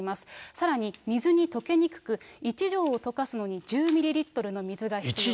さらに水に溶けにくく、１錠を溶かすのに１０リットルの水が必要。